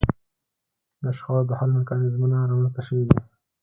د شخړو د حل میکانیزمونه رامنځته شوي دي